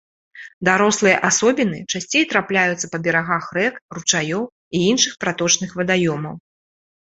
Дарослыя асобіны часцей трапляюцца па берагах рэк, ручаёў і іншых праточных вадаёмаў.